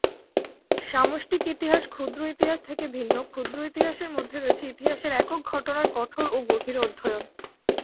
সামষ্টিক ইতিহাস ক্ষুদ্র ইতিহাস থেকে ভিন্ন, ক্ষুদ্র ইতিহাসের মধ্যে রয়েছে ইতিহাসের একক ঘটনার কঠোর ও গভীর অধ্যয়ন।